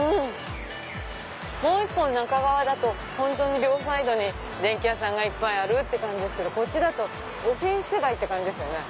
もう一本中側だと両サイドに電気屋さんがいっぱいですけどこっちだとオフィス街って感じですよね。